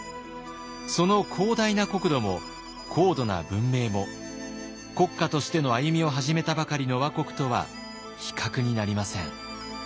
その広大な国土も高度な文明も国家としての歩みを始めたばかりの倭国とは比較になりません。